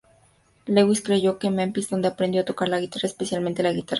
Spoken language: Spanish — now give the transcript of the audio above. Lewis creció en Memphis, donde aprendió a tocar la guitarra, especialmente la guitarra hawaiana.